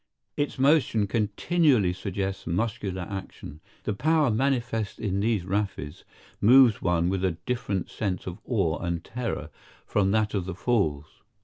Its motion continually suggests muscular action. The power manifest in these rapids moves one with a different sense of awe and terror from that of the Falls.